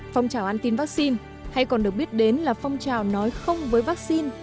phong trào anti vắc xin hay còn được biết đến là phong trào nói không với vắc xin